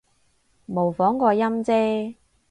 模仿個音啫